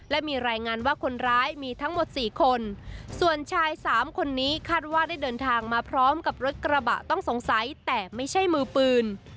และมีรายงานว่าคนร้ายมีทั้งหมดสี่คนส่วนชายสามคนนี้คาดว่าได้เดินทางมาพร้อมกับรถกระบะต้องสงสัยแต่ไม่ใช่มือปืน